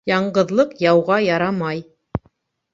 Яңғыҙлыҡ яуға ярамай.